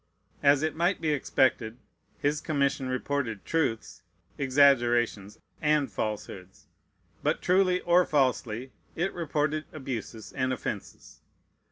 As it might be expected, his commission reported truths, exaggerations, and falsehoods. But truly or falsely, it reported abuses and offences.